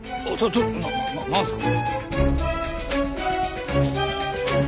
ちょっとななんですか？